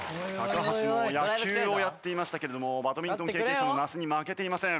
橋も野球をやっていましたけれどもバドミントン経験者の那須に負けていません。